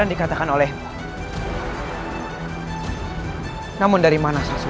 akhirnya aku bertemu denganmu